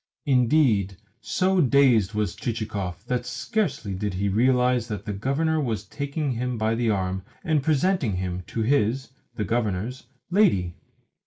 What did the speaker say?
Indeed, so dazed was Chichikov that scarcely did he realise that the Governor was taking him by the arm and presenting him to his (the Governor's) lady.